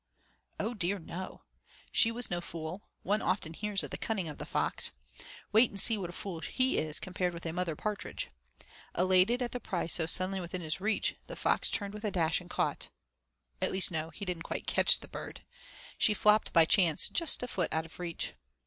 Oh, dear no! She was no fool. One often hears of the cunning of the fox. Wait and see what a fool he is compared with a mother partridge. Elated at the prize so suddenly within his reach, the fox turned with a dash and caught at least, no, he didn't quite catch the bird; she flopped by chance just a foot out of reach.